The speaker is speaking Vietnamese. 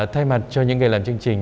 thay mặt cho những người làm chương trình